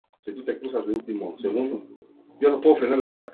La familia de Roger no se conoce.